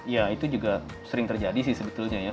ya itu juga sering terjadi sih sebetulnya ya